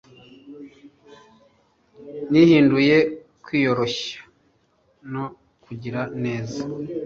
nihinduye kwiyoroshya no kugira neza